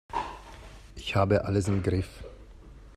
Ich habe alles im Griff.